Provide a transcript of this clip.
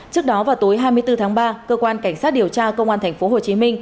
trước đó vào tối hai mươi bốn tháng ba cơ quan cảnh sát điều tra công an tp hcm